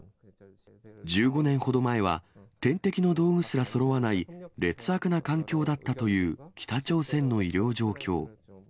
１５年ほど前は、点滴の道具すらそろわない劣悪な環境だったという北朝鮮の医療状況。